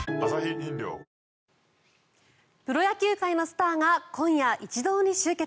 プロ野球界のスターが今夜、一堂に集結！